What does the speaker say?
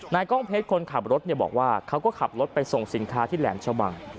กล้องเพชรคนขับรถบอกว่าเขาก็ขับรถไปส่งสินค้าที่แหลมชะบัง